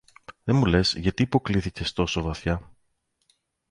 Δε μου λες, γιατί υποκλίθηκες τόσο βαθιά